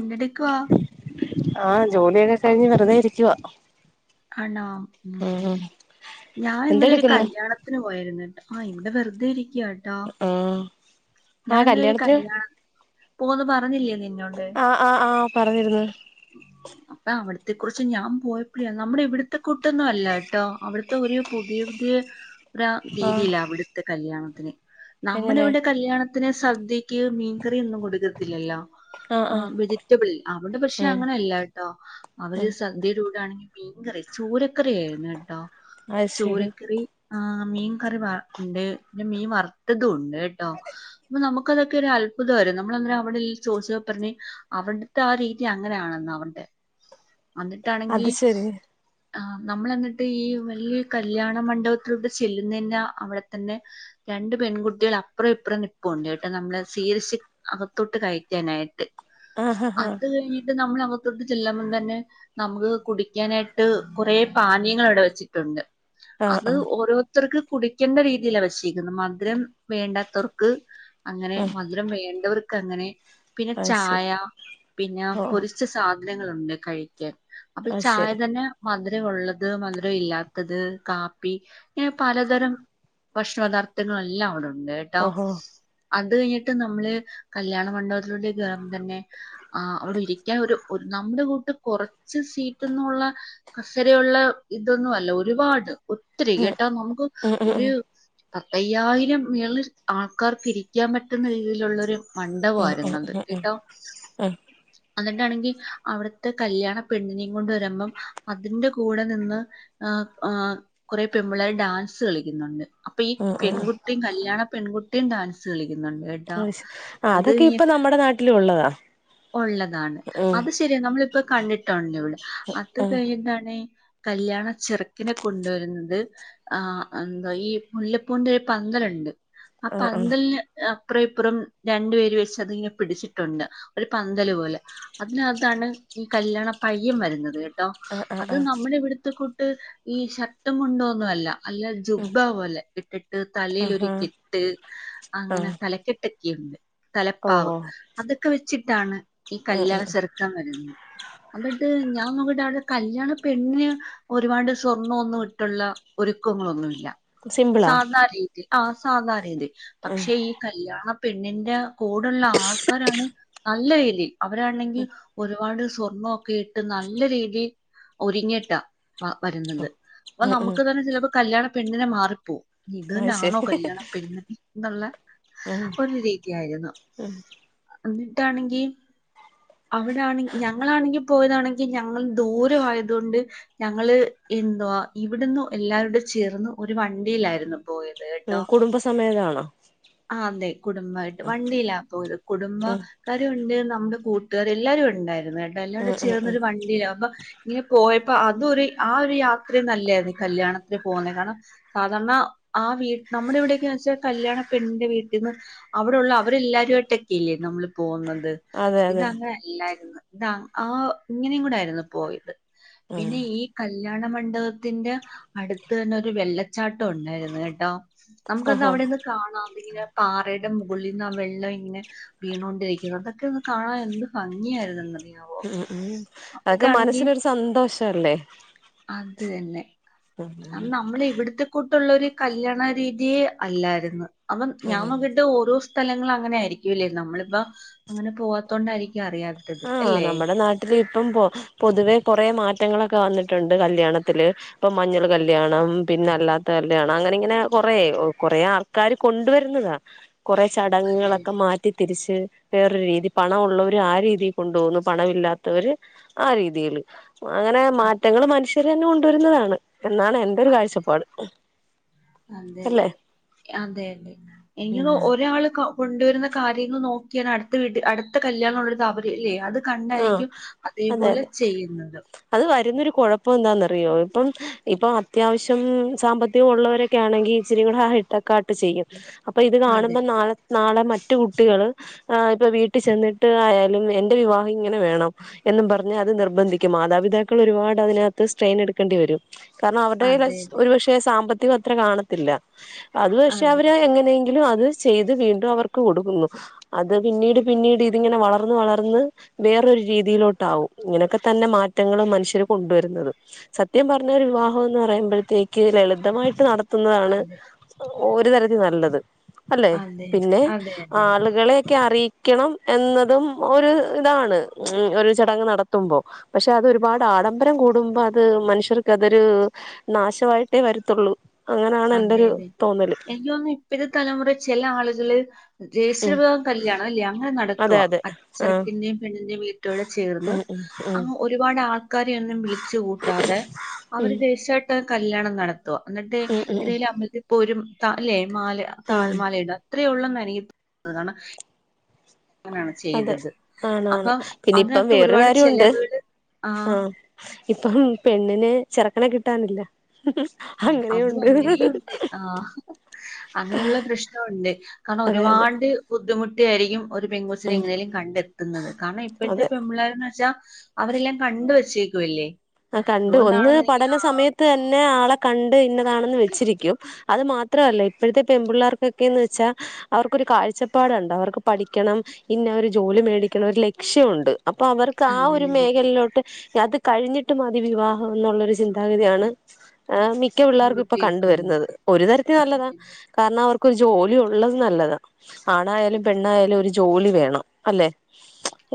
എന്തെടുക്കുവാ ആഹ് ജോലിയൊക്കെ കഴിഞ്ഞ് വെറുതെ ഇരിക്കുവാ ആണോ ഉം ഞാൻ ഇന്നലെ ഒരു എന്തെടുക്കുന്ന് കല്ല്യാണ ത്തിന് പോയിരുന്ന് ആഹ് ഇവിടെ വെറുതെ ഇരിക്കയാ ട്ടോ ആഹ് ആഹ് ഞാന്നൊരു കല്യാണത്തിന് കല്ല്യാണം പോന്ന് പറഞ്ഞില്ലേ നിന്നോട് അഹ് ആആഹ് ആഹ് പറഞ്ഞിരുന്ന് അപ്പൊ അവിടത്തെ കുറിച്ച് ഞാൻ പോയപ്പഴേ നമ്മുടെ ഇവിടുത്തെ കൂട്ടൊന്നും അല്ലാട്ടോ അവിടുത്തെ ഒരു പുതിയ പുതിയ രാ ആഹ് രീതിയിലാ അവിടുത്തെ കല്ല്യാണത്തിന് നമ്മുടെ എങ്ങനെ ഇവിടെ കല്ല്യാണത്തിന് സദ്യക്ക് മീൻകറിയൊന്നും കൊടുക്കത്തില്ലല്ലോ ആഹ് ആ ആഹ് വെജിറ്റബിൾ അവിടെ പക്ഷേ ഉം അല്ലാട്ടോ അവര് ഉം സദ്യയുടെ കൂടെയാണെങ്കി മീൻകറി ചൂരക്കറി ആയിരുന്നു കേട്ടോ അത് ശരി ചൂരക്കറി ആഹ് മീൻ കറി വ ഉണ്ട് പിന്നെ മീൻ വറുത്തതും ഉണ്ട് കേട്ടോ അപ്പൊ നമുക്കതൊക്കെ ഒരു അത്ഭുതായിരുന്ന് നമ്മളെന്നേരം അവിടെ ചോദിച്ചപ്പോ പറഞ്ഞ് അവിടുത്തെ ആ രീതി തി അങ്ങനെയാണെന്ന് അവടെ വന്നിട്ടാണെങ്കി അത് ശരി ആഹ് നമ്മള്ന്നിട്ട് ഈ വലിയ കല്യാണ മണ്ഡപത്തിലൂടെ ചെല്ലുന്നേന്റെ അവിടെ തന്നെ രണ്ട് പെൺകുട്ടികള് അപ്പറം ഇപ്പറും നിപ്പുണ്ടേട്ടോ നമ്മളെ സീൽസി അകത്തോട്ട് കയറ്റാനായിട്ട് ആഹ ഹാ അത് കഴിഞ്ഞിട്ട് നമ്മള് അകത്തോട്ട് ചെല്ലുമ്പം തന്നെ നമുക്ക് കുടിക്കാനായിട്ട് കൊറേ പാനീയങ്ങള് അവിടെ വെച്ചിട്ടുണ്ട് ആഹ് അത് ആഹ് ഓരോ ഓരോത്തർക്ക് കുടിക്കേണ്ട രീതിയിലാ വെച്ചേക്കുന്നേ മധുരം വേണ്ടാത്തവർക്ക് അങ്ങനെ ഉം മധുരം വേണ്ടവർക്ക് അങ്ങനെ പിന്നെ അത് ശരി ചായ പിന്നെ ഓ ഓ പൊരിച്ച സാധനങ്ങളുണ്ട് കഴിക്കാൻ അപ്പൊ അത് ശരി ചായതന്നെ മധുരം ഉള്ളത് മധുരം ഇല്ലാത്തത് കാപ്പി ഇങ്ങനെ പലതരം ഭക്ഷണ പദാർത്ഥങ്ങളെല്ലാം അവിടെ ഉണ്ട് കെ ട്ടോ ഓഹോ അത് കഴിഞ്ഞിട്ട് നമ്മള് കല്ല്യാണ മണ്ഡപത്തിലൂടെ കേറുമ്പോതന്നെ ആഹ് അവിടെ ഇരിക്കാൻ ഒരു നമ്മുടെ കൂട്ട് കൊറച്ച് സീറ്റ്ന്നുള്ള കസേരയുള്ള ഇതൊന്നും അല്ല ഒരുപാട് ഒത്തിരി ഉം കെട്ടാ നമുക്ക് ഉം ഉം ഉം ഒരു പത്തയ്യായിരം മേളില് ആൾക്കാർക്ക് ഇരിക്കാൻ പറ്റുന്ന രീതിയിലുള്ളൊരു ഉം ഉം മണ്ഡപമായിരുന്നത് ഉം കേട്ടോ. ഉം എന്നിട്ടാണെങ്കി അവിടുത്തെ കല്യാണ പെണ്ണിനെയും കൊണ്ട് വരുമ്പം അതിന്റെ കൂടെ നിന്ന് ഏഹ് ഏഹ് കൊറേ പെൺപുള്ളാര് ഡാൻസ് കളിക്കുന്നുണ്ട്. അപ്പൊ ഈ ഉം ഉം ഉം പെൺകുട്ടിം കല്യാണ പെൺകുട്ടിയും ഡാൻസ് കളിക്കുന്നുണ്ടെ അഹ്ശ, ആഹ് അതൊക്കെ ഇപ്പൊ നമ്മടെ നാട്ടിലും ഉള്ളതാ. ഉള്ളതാണ് ഉം അത് ശരിയാ നമ്മളിപ്പം കണ്ടിട്ടുണ്ട്ഇവിടെ. അത് ഉം കഴിഞ്ഞിട്ടാണ് കല്യാണ ചെറുക്കനെ കൊണ്ടുവരുന്നത് ആഹ് എന്താ ഈ മുല്ലപ്പൂന്റെ ഒരു പന്തല്ണ്ട് ആ ആഹ് ആഹ് പന്തലിന് അപ്പുറം ഇപ്പുറം രണ്ടു പേര് വെച്ച് അതിങ്ങനെ പിടിച്ചിട്ടുണ്ട്. ഒരു പന്തല് പോലെ അതിനകത്താണ് ഈ കല്യാണ പയ്യൻ വരുന്നത് കേ ട്ടോ ആഹ് ആഹ് അത് ആഹ് നമ്മുടെ ഇവിടുത്ത കൂട്ട് ഈ ഷർട്ടും മുണ്ടുമൊന്നു അല്ല. അല്ല ഉം ജുബ്ബാ പോലെ അല്ലെ ഇട്ടിട്ട് തലേലൊരു ആഹാ കെട്ട് അങ്ങനെ. ആഹ് തലക്കെ ക്കെഉണ്ട് തലപ്പാവ് ഓഹോ അതൊക്കെ വെച്ചിട്ടാണ് ഈ ഉം കല്യാണ ഉം ചെറുക്കം വരുന്ന എന്നിട്ട് ഞാൻ നോക്കിട്ട് അവിടെ കല്യാണ പെണ്ണിന് ഒരുപാട് സ്വർണം ഒന്നും ഇട്ടുള്ള ഒരുക്കങ്ങളൊന്നുമില്ല സിമ്പിളാ സാധാരീതി ആ സാധാ രീതി ഉം പക്ഷെ ഈ കല്യാണ പെണ്ണിന്റെ കൂടെള്ള ആൾക്കാരാണ് നല്ല വേലി അവരാണെങ്കിൽ ഒരുപാട് സ്വർണൊക്കെ ഇട്ട് നല്ല രീതിൽ ഒരുങ്ങിട്ടാ വ വരുന്നത്. അപ്പൊ ഉം ഉം നമുക്ക് തന്നെ ചിലപ്പോ കല്യാണ പെണ്ണിനെ മാറിപ്പോവും ഇത് അത് തന്നാണോ ശരി കല്യാണ പെണ്ണ് എന്നുള്ള ഉം ഒരു രീതിയായിരുന്നു ഉം എന്നിട്ടാണെങ്കി അവിടാണെ ഞങ്ങളാണെങ്കി പോയതാണെങ്കി ഞങ്ങൾ ദൂരവായതോണ്ട് ഞങ്ങള് എന്ന്തവാ ഇവിടുന്ന് എല്ലാരോടും ചേർന്ന് ഒരു വണ്ടിയിലായിരുന്നു പോയത് കേട്ടോ. ഉം കുടുംബസമേതാണോ ആ അതെ കുടുംബയിട്ട് വണ്ടീലാ പോയത് ഉം കുടുംബക്കരു ഉണ്ട് നമ്മുടെ കൂട്ടുകാർ എല്ലാരും ഉണ്ടായിരുന്നു കേട്ടോ എല്ലാം ഉം കൂടെ ഉം ഉം ചേർന്നൊരു വൺ.. ദിയ അപ്പൊ ഇങ്ങനെ പോയപ്പോ അതൊരു ആ ഒരു യാത്ര നല്ല ആരുന്നു ഇ കല്യാണത്തിന് പോകുന്നേ കാരണം സാധാരണ ആ വീ നമ്മുടെ വിടെയൊക്കെയ വെച്ചാൽ കല്യാണ പെണിന്റെ വീട്ടിന്നു അവിടെള്ള അവരെല്ലാവരുമായിട്ടൊക്കെ ല്ലേ നമ്മള് പോന്നത് അതെ ഇത് അതെ അങ്ങനെ അല്ലായിരുന്നു. ഇതാ ആ ഇങ്ങനെയും കൂടെ ആരുന്നു പോയത് ഉം പിന്നെ ഈ കല്യാണ മണ്ഡപത്തിന്റെ അടുത്ത് തന്നെ ഒരു വെല്ലച്ചാട്ടം ഉണ്ടായിരുന്നു കേട്ടോ നമുക്കത് ഓഹോ അവിടെന്ന് കാണാം ഇങ്ങനെ പാറയുടെ മുകളിൽ നിന്ന് ആ വെള്ളം ഇങ്ങനെ വീണോണ്ട് [unintelligible] അതൊക്കെ ഒന്ന് കാണാൻ എന്ത് ഭംഗിയായിരുന്നെന്നറിയോ ഉം ഉം അതൊക്കെ മനസ്സിനൊരു സന്തോഷ അല്ലേ ആ നമ്മള് ഇവിട്ത്തെ കൂട്ടുള്ള ഒരു കല്യാണ രീതിയെ അല്ലായിരുന്നു അപ്പം ഉം ഞാനോക്കിട്ട് ഓരോസ് സ്ഥലങ്ങൾ അങ്ങനെ ആയിരിക്കുംല്ലേ നമ്മളിപ്പ അങ്ങനെ പോവാത്ത കൊണ്ടായിരിക്കും അറിയാ ആഹ നമ്മുടെ നാട്ടില് ഇപ്പം പൊതുവെ കുറെ മാറ്റങ്ങളൊക്കെ വന്നിട്ടുണ്ട് കല്യാണത്തില് ഇപ്പൊ മഞ്ഞൾ കല്ല്യാണം പിന്നെ അല്ലാത്ത കല്യാണം അങ്ങനെ ഇങ്ങനെ കൊറേ ആയ് കൊറേ ആൾ ക്കാര് കൊണ്ടുവരുന്നതാ കുറേ അതെ ചടങ്ങുകളൊക്കെ അതെ മാറ്റി തിരിച്ച് വേറൊരു രീതി പണം ഉള്ളവർ ആ രീതി കൊണ്ട് പോന്നു പണമില്ലാത്തവര് ആ രീതിയില് അങ്ങനെ മാറ്റങ്ങൾ മന്ഷ് ഇച്ചരിന്നെ കൊണ്ടുവരുന്നതാണ് എന്നാണ് എന്റെ ഒരു കാഴ്ചപ്പാട് അല്ലേ അതെയതെ അതെയതെ എങ്കി ഉം അത് ഒരാള് കൊ കൊണ്ടുവരുന്ന കാര്യങ്ങൾ നോക്കിയാണ് അടുത്ത വീട്ടിൽ അടുത്ത കല്യാണം ഉള്ള ഒരു താപര്യം അല്ലേ അത് ആഹ് കണ്ടായിരിക്കും അതെ അതെ അതേപോലെ ചെയ്യുന്നത് അത് വരുന്നൊരു കുഴപ്പം എന്താന്നറിയോ ഇപ്പം ഇപ്പൊ അത്യാവശ്യം സാമ്പത്തികം ഉള്ളവരെ ക്കെ ആണെങ്കി ഇച്ചിരി കൂടെ ഹൈട്ടെക്കാട്ട് ചെയ്യും അപ്പൊ ഇത് അതെ കാണുമ്പോ നാളെ നാളെ മറ്റു കുട്ടികൾ ഇപ്പൊ വീട്ടിൽ ചെന്നിട്ട് ആയാലും എന്റെ വിവാഹ ഇങ്ങനെ വേണം എന്നും പറഞ് അത് നിർബന്ധിക്കും മാതാപിതാക്കൾ ഒരുപാട് അതിനകത്ത് സ്ട്രെയിൻ എടുക്കേണ്ടി വരും കാരണം അവരുടെ കയ്യിൽ അതെ അഷ്‌ ഒരുപക്ഷെ സാമ്പത്തികം അത്ര കാണത്തില്ല അത് പക്ഷെ അതെ അവര് എങ്ങനെയെങ്കിലും അത് സ് ചെയ്ത് വീണ്ടും അവർക്ക് കൊടുക്കുന്നു അത് പിന്നീട് പിന്നീട് ഇതിങ്ങനെ വളർന്ന് വളർന്ന് വേറൊരു രീതിയിലോട്ട് ആവും, ഇങ്ങനെയൊക്കെ തന്നെ മാറ്റങ്ങൾ മനുഷ്യർ കൊണ്ടുവരുന്നത്. സത്യം പറഞ്ഞാൽ ഒരു വിവാഹം എന്ന് പറയുമ്പോഴത്തേക്ക് ലളിതമായിട്ട് നടത്തൻ. ത്തുന്നതാണ് അതെ ഒരു തരത്തിൽ നല്ലത് അല്ലെ അതെ അതെ പിന്നെ അതെ അതെ ആളുകളെയക്കെ അറിയിക്കണം എന്നതും ഒരു ഇതാണ് ഒരു ചടങ്ങ് നടത്തുമ്പോ പക്ഷെ അത് ഒരുപാട് ആഡംബരം കൂടുമ്പോ അത് മനുഷ്യർക്ക് അതൊരു നാശമായിട്ടേ വരുത്തുള്ളൂ, അങ്ങനെയാണ് എന്റെ ഒരു തോന്നല്. പിന്നെ തലമുറേൽ ചെല ആളുകൾ രഹസ്യ ഉം വിഭാഗം കല്യാണം അല്ല്യേ അങ്ങനെ അതെ നടത്തുവാ അതെ ആഹ് ചെറുക്കന്റെയും പെണ്ണിന്റെയും വീട്ടൂടെ ചേർന്ന്. ഉം ഉം. അങ്ങ് ഒരുപാട് ആൾക്കാരെയൊന്നും വിളിച്ചു കൂട്ടാതെ ഉം അവര് ദേശായിട്ട് കല്യാണം നട ത്തുവാ. എന്നിട്ട് ഉം ഉം ഉം നമ്മൾതിപ്പോ ഒരു മ് താ അല്ലെ മാല താൽ ഉം മല ഇടാ അത്രേ ഒള്ളെന്നാ എനി [inaudible] തോ. [inaudible] കാരണം അതെ. ആണ് ആണ്. അപ്പം പിന്നെ ഇപ്പം അതിനകത്ത് വേറൊരു ഒരുപാട് കാര്യ വുണ്ട്, ചെലവുകള് ആഹ്. ഇപ്പം പെണ്ണിന് ചെറുക്കനെ കിട്ടാനില്ല. അത് അതും അങ്ങനെയുണ്ട് അങ്ങനെയുണ്ട്. ആഹ് അങ്ങനെയുള്ള പ്രശ്നവു ണ്ട്. കാരണം അതെ അതെ ഒരുപാട് ബുദ്ധിമുട്ടി ആയിരിക്കും ഒരു പെങ്കൊച്ചിനെ ഉം എങ്ങനേലും കണ്ടെത്തുന്നത്. കാരണം ഇപ്പഴത്തെ അതെ പെൺ പിള്ളേരെന്ന് വെച്ചാ അവരെല്ലാം കണ്ട് വച്ചേക്കുവല്ലേ? ആഹ് കണ്ട്, ഒന്ന് പഠന സമയത്ത് തന്നെ ആളെ കണ്ട് ഇന്നതാണെന്ന് വെച്ചിരിക്കും. അത് മാത്രല്ല, ഇപ്പോ ഴത്തെ പെൺപിള്ളേർക്കൊക്കേന്ന് വെച്ചാ അവർക്കൊരു കാഴ്ചപ്പാടണ്ട്. അവർക്ക് പഠിക്കണം ഇന്ന ഒര് ജോലി മേടിക്കണം ഒരു ലക്ഷ്യവുണ്ട്. അപ്പൊ അവർ ക്കാ അതെ ഒരു അതെ. മേഖലയിലോട്ട് അത് കഴിഞ്ഞ് ട്ട് മതി വിവാഹം എന്നുള്ളൊരു ചിന്താഗതിയാണ് മി ക്കെ പിള്ളേർക്കും ഇപ്പൊ കണ്ട് പെൺകുട്ടികൾക്കുള്ളത്. വരുന്നത്, ഒരു തരത്തി അതെ നല്ലതാ, അതെ. കാരണം അവർക്കൊരു ജോലി ഉള്ളത് നല്ലതാ. ആണായാലും പെണ്ണായാലും ഒരു ജോലി വേണം. അല്ലെ?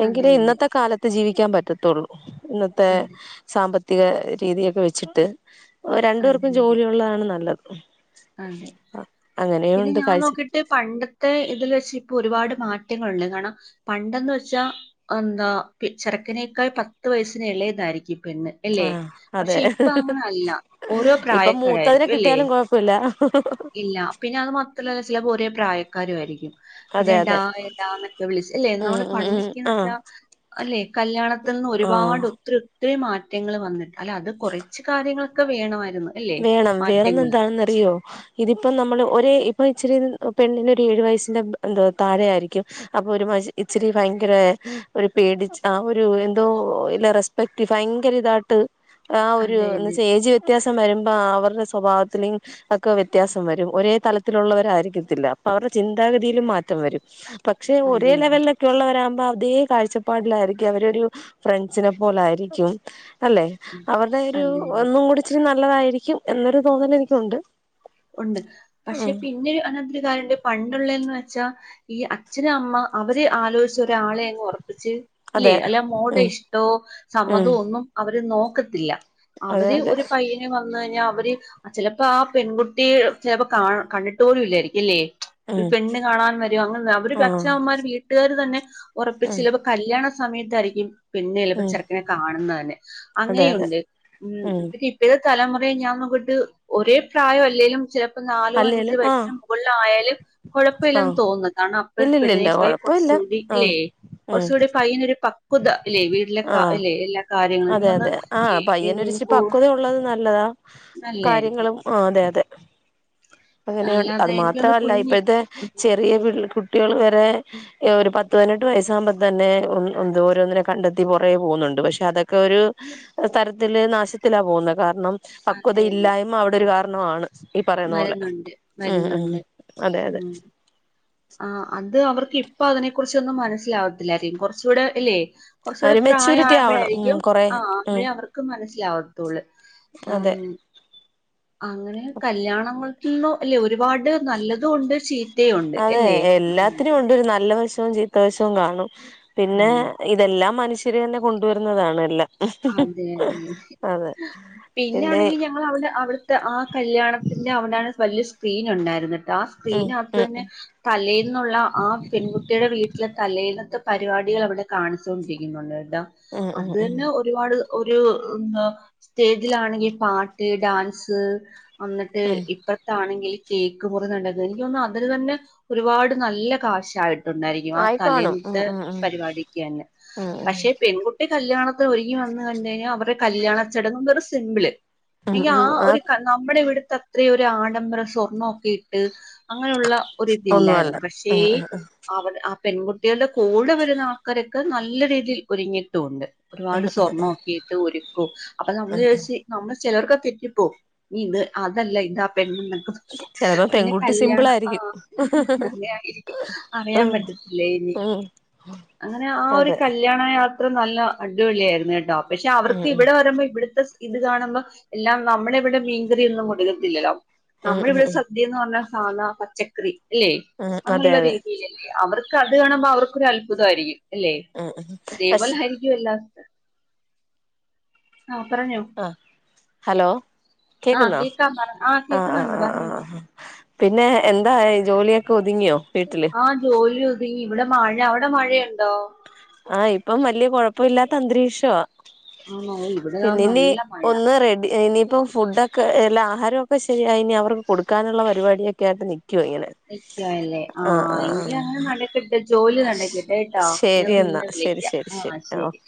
എങ്കിലെ അതെ അതെ. ഇന്നത്തെ കാലത്ത് ജീവിക്കാൻ പറ്റത്തൊള്ളൂ. ഇന്നത്തെ അതെ. സാമ്പത്തിക രീതിയൊക്കെ വെച്ചിട്ട്, രണ്ടു അതെ പേർക്കും അതെ. ജോലിയുള്ളതാണ് നല്ലത്. അങ്ങനെയു ഉണ്ട് കാഴ്ച ട്ട് പണ്ടത്തെ ഇതിൽ വെച്ച് ഇപ്പൊ ഒരുപാട് മാറ്റങ്ങളുണ്ട്. കാണം പണ്ടെന്ന് വെച്ചാ എന്താ ചെറുക്കനേക്കാൾ പത്ത് വയസ്സിന് ഇളയതായിരിക്കും പെണ്ണ്. അല്ലേ? ആഹ്, അതെ. പക്ഷെ ഇപ്പൊ അങ്ങനെ അല്ല. ഓരോ ഇപ്പം മൂത്തതിനെ പ്രായക്കാരായിരിക്കും അല്ലേ? കിട്ടിയാലും കുഴ പ്പ ഇല്ല. ഇല്ല, പിന്നെ അത് മാത്രല്ലാ ചെലേപ്പം ഒരേ പ്രായക്കാരും ആയിരിക്കും. പിന്നെ അതെ ഡാ അതെ യെഡാന്നൊക്കെ വിളിച്ച്. അല്ലേ? ഉം നമ്മള് ഉം ഉം പണ്ടൊക്കെന്ന് ആഹ് വെച്ചാ അല്ലെ. കല്യാണത്ത്ൽന്ന് ആഹ് ഒരുപാടു ത്ത്രി ഒത്ത്രി മാറ്റങ്ങൾ വന്ന്, അല്ല അത് കുറച്ച് കാര്യങ്ങളൊക്കെ വേണമായിരുന്ന്. വേണം. വേറൊന്ന് എന്താണ്ന്നറിയോ. ഇതിപ്പം നമ്മള് ഒരേ ഇപ്പൊ ഇച്ചിരി പെണ്ണിനൊരു ഏഴു വയസ്സിന്റെ എന്തുവാ താഴെ ആയിരിക്കും. അപ്പൊ ഒരു മ ഇച്ചിരി ഭയങ്കര ഒരു പേടിച്ച് ആഹ് ഒരു എന്തോ ഇല്ല റെസ് പക്റ്റ് ഭയങ്കര ഇതായിട്ട് ആ ഒരു അതെ എന്ന് അതെ. വെച്ചാ ഏയ്ജ് വെ [unintelligible] വരുമ്പോ അവരുടെ സ്വഭാവത്തിലും ഒക്കെ വ്യത്യാസം വരും. ഒരേ തലത്തിലുള്ളവരായിരിക്കത്തില്ല. അപ്പൊ അവരുടെ ചിന്താഗതിയിലും മാറ്റം വരും. പക്ഷെ, അതെ ഒരേ അതെ. ലെവലിലെ ള്ളവരാകുമ്പോ അതേ കാഴ്ചപ്പാടിലായിരിക്കും അവരരു ഫ്രണ്ട്സിനെ പോലായിരിക്കും. അല്ലെ? ഉം. അവരുടെ ഒരു അതെ അതെ. ഒന്നും കൂടി ഇച്ചിരി നല്ലതായിരിക്കും എന്നൊരു തോന്നൽ എനിക്കുണ്ട്. ഉണ്ട്. പക്ഷെ, ഉം പിന്നെ അനത്തരു കാര്യണ്ട് പണ്ടുള്ളന്ന് വെച്ചാ, ഈ അച്ഛന് അമ്മ... അവര് ആലോചിച്ച് ഒരാളെ അങ്ങ് ഉറപ്പിച്ച്... ഇല്ലേ? അതെ അല്ല മോളുടെ ഉം ഇഷ്ടോ ഉം സമ്മതോ ഒന്നും... അവര് നോക്കത്തില്ല. അതെ അവര് അതെ ഒരു പയ്യനെ വന്ന് കഴിഞ്ഞാൽ അവര് ചിലപ്പോ ആ പെൺകു ട്ടി ചിലപ്പോ കണ്ടിട്ട് പോലുംല്ലായിരിക്കും അല്ലേ? ഉം പെണ്ണ് കാണാൻ വരും, അങ്ങനെ അവര് ആഹ് അച്ഛനാവന്മാർ വീട്ടുകാർ തന്നെ ഉറപ്പിച്ച് ഉം ചിലപൊ... കല്യാണ സമയത്തായിരിക്കും... പെന്നെ ചെലപ്പ ഉം ചെറക്കിനെ കാണുന്നതന്നെ, അതെ അതെ അങ്ങനെയുണ്ട്. ഉം ഈ തലമുറയെ ഞാനങ്ങട്ട് ഒരേ പ്രായംല്ലേലും ചില ല പ്പ നാലോ അഞ്ച് അല്ലേലും ആഹ് വയസിന് മുകളിലായാലും കുഴപ്പമില്ലെന്ന് ആഹ് തോന്നും. കാരണം അപ്പൾ ഇല്ലില്ലില്ല പെണ്ണിനക്കായും... കൊഴപ്പ ഇല്ല കുറച്ചുടി ആഹ് ല്ലേ? ഉം കുറച്ചുടി പയ്യനൊരു പക്വത ഇല്ലെ വീട്ടിലെ ആഹ് അല്ലെ എല്ലാ കാര്യങ്ങളും ഇനി അതെ ഒന്ന് അതെ ആഹ് അ പയ്യനൊച്ചിരിപ്പക്വത ഉള്ളത് നല്ലതാ തോന്നുന്നു നല്ലായിരിക്കും കാര്യങ്ങളും അതെ അതെ അങ്ങനെയ അത് അല്ലാതെ എനിക്ക് തോന്നുന്നു മാത്രല്ല കുഞ്ഞി ഇപ്പോഴത്തെ ഉം ചെറിയ കുട്ടികൾ വരെ ഒരു പത്ത് പതിനെട്ട് വയസ്സാകുമ്പ തന്നെ എന്ത ഓരോന്നിനെ കണ്ടെത്തി പുറേ പോകുന്നുണ്ട് പക്ഷെ അതൊക്കെ ഒരു തരത്തില് നാശത്തിലാ പോകുന്നത് കാരണം പക്വത അതെ അതെ ഇല്ലായ്മ അവിടെ ഒരു കാരണമാണ് ഈ പറയുന്ന പോലെ വരുന്നുണ്ട് ഉം ഉം വരുന്നുണ്ട് അതെ അതെ ഉം ആഹ് അത് അവർക്ക് ഇപ്പ അതിനെ കുറിച്ചൊന്നും മനസ്സിലാവത്തില്ല കുറച്ചുകൂടെ അല്ലെ ആ കുറച്ചുടെ ഒരു പ്രായം മെച്യൂരിറ്റി ആകുമ്പഴാ ആവണം ഉം യിരിക്കും കൊറെ ആഹ് ഉം ആകുമ്പോഴേ അവർക്ക് മനസ്സിലാവത്തോുള്ളൂ ഉ അതെ അങ്ങനെ കല്യാണങ്ങൾക്കന്നും അല്ലെ ഒരുപാട് നല്ലതുണ്ട് ചീത്തതു ഉണ്ട് അതെ അല്ലേ ഉം എല്ലാത്തിനും ഉണ്ട് ഒരു നല്ല വശവും ചീത്തവശവും കാണും പിന്നെ ആണ്. ഇതെല്ലാം മനുഷ്യര് തന്നെ കൊണ്ടുവരുന്നതാണല്ലേ അതെ അതെെ പിന്നെ പിന്നെയാണെങ്കിൽ ഞ ഞവിടെ അവിടുത്തെ ആഹ് കല്യാണത്തിന്റെ അവിടെണ് വലിയ സ്ക്രീൻ ഉണ്ടായിരുന്നത് ഉം ഉം സ്ക്രീനകത്തന്നെ തലയിൽന്നുള്ള ആ പെൺകുട്ടിയുടെ വീട്ടിലെ തലയിന്നത്തെ പരിപാടികൾ അവിടെ കാണിച്ചുകൊണ്ടിരിക്കുന്നുണ്ട് ട്ടോ ഉം ഉം അത് ഉം ഉം തന്നെ ഒരുപാട് ഒരു സ്റ്റേജിലാണെങ്കിൽ പാട്ട് ഡാൻസ് വന്നിട്ട് ഉം ഇപ്പ [unintelligible] ആണെങ്കിൽ കേക്ക് മുറിനടക്കുന്നു എനിക്ക് തോന്നുന്നു അതിന് തന്നെ ഒരുപാട് നല്ല കാശായിട്ട് ണ്ടായിരിക്കും ആഹ് ആയിക്കാണും ഉം തലേന്നത്തെ ഉം ഉം പരിപാടിക്കന്നെ ഉം ഉം പക്ഷെ പെൺകുട്ടി കല്ല്യാണത്തി ഒരു വന്ന് ക കഴിഞ്ഞൽ അവരുടെ കല്യാണചടങ്ങുകൾ സിമ്പിള് ഉം ഉം ആഹ് ആ ഒര് നമ്മുടെ ഇവിടുത്തെ അത്രെരു ആഡംബര സ്വർണ്ണ ഒക്കെ അങ്ങനെയുള്ള ഒന്നുമല്ല ഒരിതില്ലായിരുന്നു പക്ഷേ ഉം ഉം ഉം അവർ ആ പെൺകുട്ടികളുടെ കൂ ടെ വരുന്ന ആൾക്കാരൊക്കെ നല്ല രീതിയിൽ ഒരുങ്ങിട്ടുണ്ട് ഉം ആഹ് നോക്കിട്ട് ഒരുക്കും അപ്പൊ നമ്മള് ഉം നമ്മള് ചിലർക്ക് അത് തെറ്റിപ്പോ ഇത് അതല്ല ഇതാ പെണ് എന്നൊക്ക ചെലപ്പോ പിന്നെ പെൺകുട്ടി സിമ്പിൾ കല്യാണം ആയിരിക്കും ആഹ് അങ്ങനെ യിരിക്കും അറിയാൻ ഉം പറ്റത്തില്ല ഇനി ഉം അങ്ങനെ ആ ഒരു അതെ കല് കല്യാണ യാത്ര നല്ല അടിപൊളിയായിയിരുന്നു കേട്ടോ പക്ഷെ ഉം അവർക്ക് ഉം ഇവിടെ വരുമ്പോൾ ഇവിടുത്തെ ഇത് കാണുമ്പോ എല്ലാം നമ്മള ഇവിടെ മീൻകറിന്നും കൊടു കത്തില്ലല്ലോ ഉം ഉം നമ്മളിവിടെ ഉം ന്ന് പറഞ്ഞാൽ സാധ പച്ചക്കറി അല്ലെ ഉം അതെ അങ്ങനെയുള്ള അതെ രീതിൽല ല്ലേ അവർക്ക് അത് കാണുമ്പോ അവർക്കൊരു അത്ഭുതമായിരിക്കും അല്ലെ ഉം ഉം ദേവൽ പക്ഷെ ഹരിക്കും എല്ലാ ആഹ് പറഞ്ഞോ ആഹ് ഹലോ ആ കേക്ക്ന്നോ കേക്കാം പറ ആ ആഹ് കേക്കുന്നുണ്ട് ആഹ് പറഞ്ഞോ ആഹ് പിന്നെ എന്തായ് ജോലിയൊക്കെ ഒതുങ്ങിയോ വീട്ടില് ആ ജോലി ഉതുങ്ങി ഇവിടെ മഴ അവിടെ മഴയ്ണ്ടോ ആഹ് ഇപ്പം വല്യയ കൊഴപ്പുല്ലാത്ത അന്തരീക്ഷാ ആണോ ഇവിടെ ദാ പിന്നെനി നല്ല മഴ ഒന്ന് റെഡി ഇനിപ്പോ ഫുഡൊക്കെ എല്ലാ ആഹാരക്കെ ശരിയായി ഇഞി അവർക്ക് കൊടുക്കാനുള്ള പരിപാടിയൊക്കെ യിട്ട് നിക്കുവഇങ്ങനെ നിക്ക്യാല്ലേ ആഹ് എങ്കിയങ്ങനെ നടക്കട്ടെ ജോലി ആഹ് നടക്കട്ടെട്ടോ ഞാ ശരി എന്നാ പിന്നെ ശരി വിളിക്യ ശരി ആഹ് ഓ ശരി